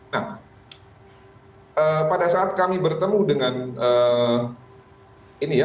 nah pada saat kami bertemu dengan ini ya